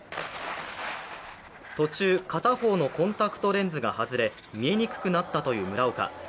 途中、片方のコンタクトレンズが外れ見えにくくなったという村岡。